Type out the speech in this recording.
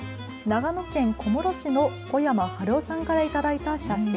長野県小諸市の小山晴夫さんから頂いた写真。